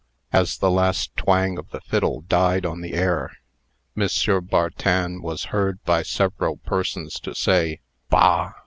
As the last twang of the fiddle died on the air, M. Bartin was heard by several persons to say, "Bah!